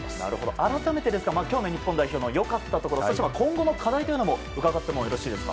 改めて今日の日本代表の良かったところそして今後の課題を伺ってもよろしいですか。